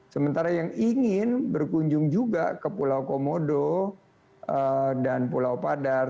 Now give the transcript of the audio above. sementara yang ingin berkunjung juga ke pulau komodo dan pulau padar